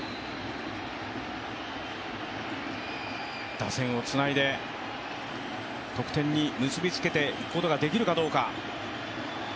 打線をつないで得点に結びつけていくことができるかどうか。